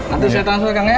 nanti saya transfer kang ya